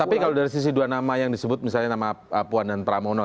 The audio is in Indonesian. tapi kalau dari sisi dua nama yang disebut misalnya nama puan dan pramono